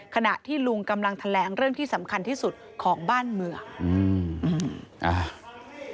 ขณะที่ลุงกำลังแถลงเรื่องที่สำคัญที่สุดของบ้านเมืองอืมอ่า